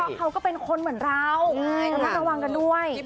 เพราะเขาก็เป็นคนเหมือนเราระมัดระวังกันด้วย